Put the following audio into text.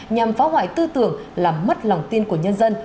nhằm phá hoại tư tưởng làm mất lòng tin của nhân dân